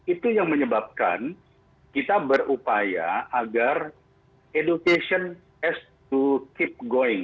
itu yang menyebabkan kita berupaya agar education is to keep going